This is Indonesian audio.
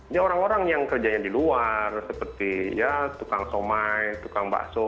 ini orang orang yang kerjanya di luar seperti ya tukang somai tukang bakso